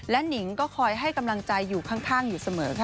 หนิงก็คอยให้กำลังใจอยู่ข้างอยู่เสมอค่ะ